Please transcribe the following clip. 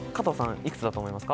いくつだと思いますか？